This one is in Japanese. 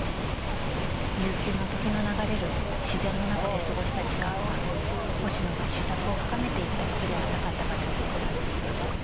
悠久の時の流れる自然の中で過ごした時間は星野が思索を深めていった時ではなかったかと思います。